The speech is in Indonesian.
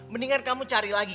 mendingan kamu cari lagi